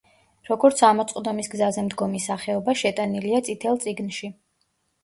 როგორც ამოწყდომის გზაზე მდგომი სახეობა, შეტანილია „წითელ წიგნში“.